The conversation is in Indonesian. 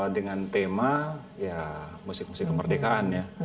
dengan tema ya musik musik kemerdekaan ya